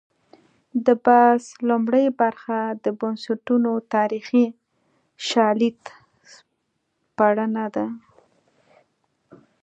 د بحث لومړۍ برخه د بنسټونو تاریخي شالید سپړنه ده.